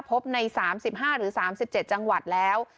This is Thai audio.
พบใน๓๕หรือ๓๗จังหวัดแล้ว